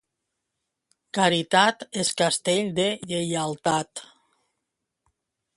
Caritat és castell de lleialtat.